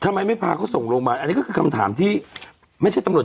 ทำไมไม่พาเขาส่งโรงพยาบาลอันนี้ก็คือคำถามที่ไม่ใช่ตำรวจ